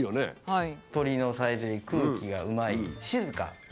はい。